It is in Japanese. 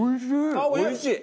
あっおいしい！